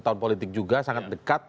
tahun politik juga sangat dekat